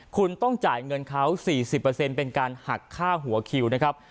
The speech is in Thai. คุณต้องจ่ายเงินเขา๔๐เป็นการหักค่าหัวคิวนะครับ